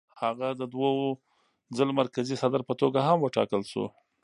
هغه د دوو ځل مرکزي صدر په توګه هم وټاکل شو.